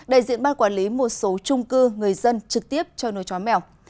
đại diện ban quản lý một số trung cư người dân trực tiếp cho nuôi chó mèo